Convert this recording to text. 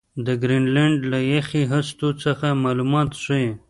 د ګرینلنډ له یخي هستو څخه معلومات ښيي.